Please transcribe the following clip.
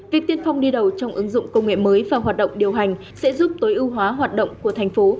việc tiên phong đi đầu trong ứng dụng công nghệ mới và hoạt động điều hành sẽ giúp tối ưu hóa hoạt động của thành phố